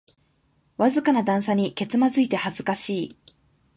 わずかな段差にけつまずいて恥ずかしい